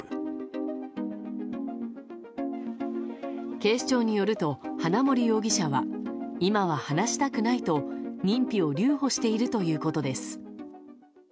警視庁によると花森容疑者は今は話したくないと認否を留保しているということです。